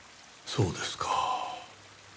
そうですか。